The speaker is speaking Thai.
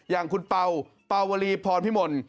อย่างคุณเป่าเป่าวลีพรพิมล